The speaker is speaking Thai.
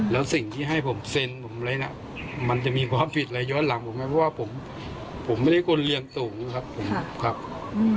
แล้วสิ่งที่ให้ผมเซ็นผมไว้น่ะมันจะมีความผิดอะไรย้อนหลังผมไหมเพราะว่าผมไม่ได้คนเรียนสูงครับผมครับ